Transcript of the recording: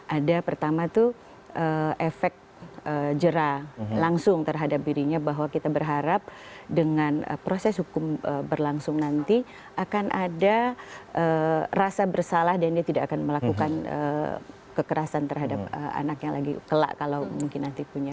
ada pertama itu efek jerah langsung terhadap dirinya bahwa kita berharap dengan proses hukum berlangsung nanti akan ada rasa bersalah dan dia tidak akan melakukan kekerasan terhadap anak yang lagi kelak kalau mungkin nanti punya